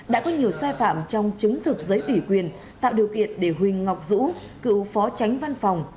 đã có nhiều sai phạm trong chứng thực giấy ủy quyền tạo điều kiện để huỳnh ngọc dũng cựu phó tránh văn phòng